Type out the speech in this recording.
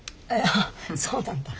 ああそうなんだ。